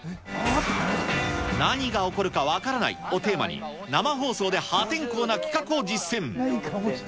何が起こるか分からないをテーマに、生放送で破天荒な企画を実践。